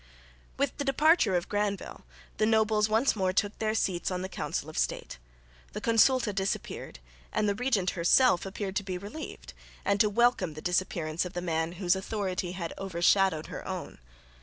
With the departure of Granvelle, the nobles once more took their seats on the Council of State. The Consulta disappeared, and the regent herself appeared to be relieved and to welcome the disappearance of the man whose authority had overshadowed her own.